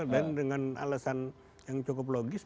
dan dengan alasan yang cukup logis